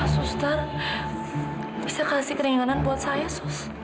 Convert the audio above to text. sustar bisa kasih keringanan buat saya sus